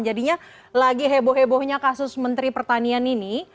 jadinya lagi heboh hebohnya kasus menteri pertanian ini